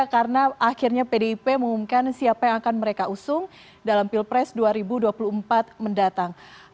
karena akhirnya pdp mengumumkan siapa yang akan mereka usung dalam pilpres dua ribu dua puluh empat mendatang